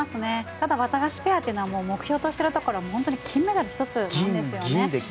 ただ、ワタガシペアが目標としているところは金メダル１つなんですよね。